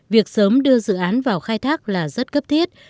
việc sớm đưa dự án vào khai thác là rất cấp thiết